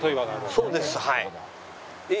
そうですはい。